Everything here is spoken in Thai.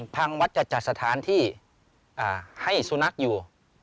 ทางวัดจะจัดสถานที่ให้สุนัขอยู่